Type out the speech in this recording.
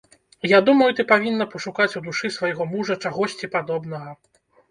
Я думаю, ты павінна пашукаць у душы свайго мужа чагосьці падобнага.